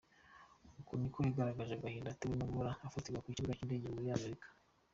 Uku niko yagaragaje agahinda atewe no guhora afatirwa ku bibuga by'indege muri Amerika.